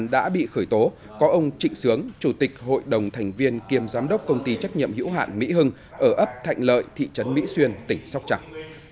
đã bị khởi tố có ông trịnh sướng chủ tịch hội đồng thành viên kiêm giám đốc công ty trách nhiệm hữu hạn mỹ hưng ở ấp thạnh lợi thị trấn mỹ xuyên tỉnh sóc trắng